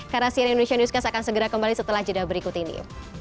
karena cnn indonesia newscast akan segera kembali setelah jeda berikut ini